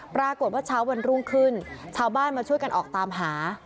ปรากฏว่าเช้าวันรุ่งขึ้นชาวบ้านมาช่วยกันออกตามหา